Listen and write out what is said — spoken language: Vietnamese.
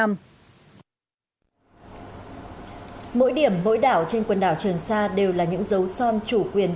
mỗi điểm mỗi đảo trên quần đảo trường sa đều là những dấu son chủ quyền